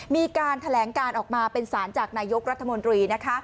มีการแถลงการออกมาเป็นสารจากนายกรัฐมนตรี